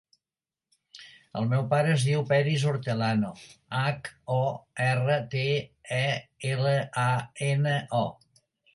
El meu pare es diu Peris Hortelano: hac, o, erra, te, e, ela, a, ena, o.